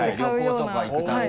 はいはい旅行とか行くたびに。